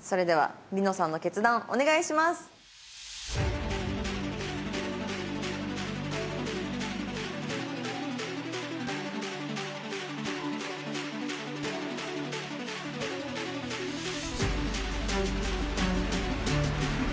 それでは璃乃さんの決断お願いします。え？